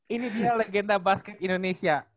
ini dia legenda basket indonesia